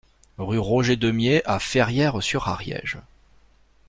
Rue Roger Deumié à Ferrières-sur-Ariège